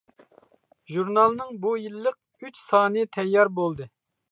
ژۇرنالنىڭ بۇ يىللىق ئۈچ سانى تەييار بولدى.